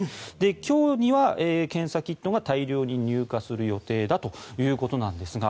今日には検査キットが大量に入荷する予定だということですが。